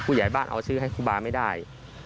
ใหญ่บ้านเอาซื้อให้ครูบาไม่ได้